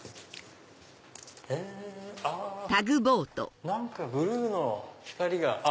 あっ何かブルーの光が。